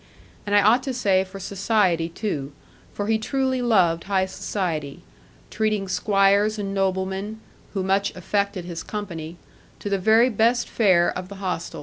And I ought to say for society too, for he truly loved high society, treating squires and noblemen (who much affected his company) to the very best fare of the hostel.